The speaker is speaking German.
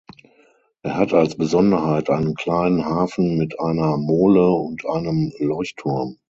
Er hat als Besonderheit einen kleinen Hafen mit einer Mole und einem Leuchtturm.